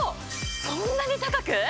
そんなに高く？